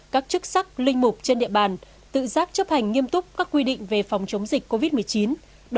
các chức sắc linh mục trên địa bàn tự giác chấp hành nghiêm túc các quy định về phòng chống dịch covid một mươi chín